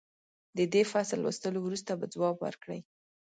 د دې فصل لوستلو وروسته به ځواب ورکړئ.